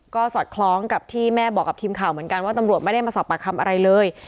ก็สอดคล้องกับที่แม่บอกกับทีมข่าวเหมือนกันว่าตำรวจไม่ได้มาสอบปากคำอะไรเลย